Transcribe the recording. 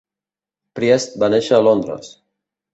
Priest va néixer a Londres.